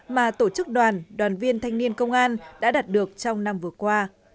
mà tổ chức đoàn đoàn viên thanh niên công an đã đạt được trong năm vừa qua